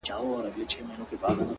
ددې ښايستې نړۍ بدرنگه خلگ;